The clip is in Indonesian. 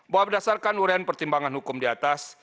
bahwa berdasarkan uraian pertimbangan hukum di atas